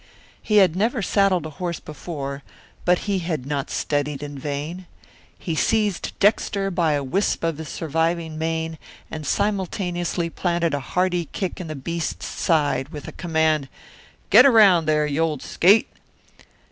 He had never saddled a horse before, but he had not studied in vain. He seized Dexter by a wisp of his surviving mane and simultaneously planted a hearty kick in the beast's side, with a command, "Get around there, you old skate!"